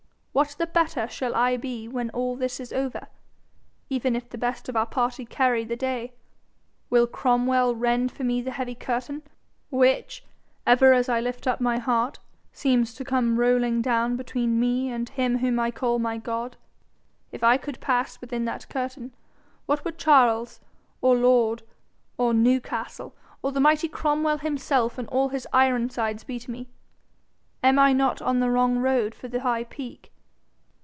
What the better shall I be when all this is over, even if the best of our party carry the day? Will Cromwell rend for me the heavy curtain, which, ever as I lift up my heart, seems to come rolling down between me and him whom I call my God? If I could pass within that curtain, what would Charles, or Laud, or Newcastle, or the mighty Cromwell himself and all his Ironsides be to me? Am I not on the wrong road for the high peak?'